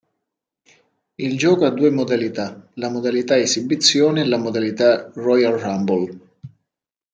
Il gioco ha due modalità, la modalità Esibizione e la modalità Royal Rumble.